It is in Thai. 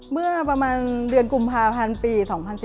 เมื่อประมาณเดือนกุมภาพันธ์ปี๒๐๑๙